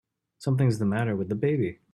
Something's the matter with the baby!